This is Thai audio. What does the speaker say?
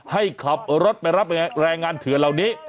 ให้ขับรถไปรับแรงงานเถื่อนเหล่านี้